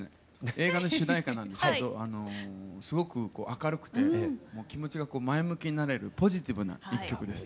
映画の主題歌なんですけどすごく明るくて気持ちが前向きになれるポジティブな１曲です。